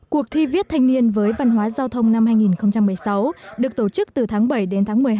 cuộc thi viết thanh niên với văn hóa giao thông năm hai nghìn một mươi sáu được tổ chức từ tháng bảy đến tháng một mươi hai